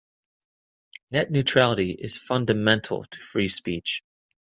Net neutrality is fundamental to free speech.